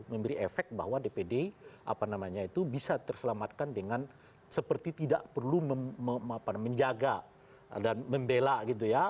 memberi efek bahwa dpd bisa terselamatkan dengan seperti tidak perlu menjaga dan membela gitu ya